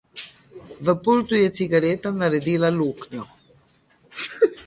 V pultu je cigareta naredila luknjo.